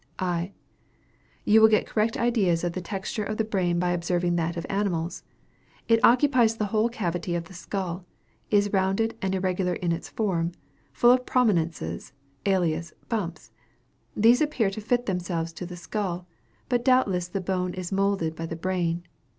I. You will get correct ideas of the texture of the brain by observing that of animals. It occupies the whole cavity of the skull, is rounded and irregular in its form, full of prominences, alias bumps. These appear to fit themselves to the skull; but doubtless the bone is moulded by the brain.